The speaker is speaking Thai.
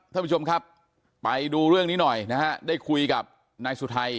ท่านผู้ชมครับไปดูเรื่องนี้หน่อยนะฮะได้คุยกับนายสุทัย